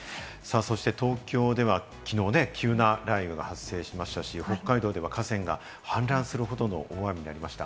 そして東京ではきのう、急な雷雨が発生しましたし、北海道では河川が氾濫するほどの大雨になりました。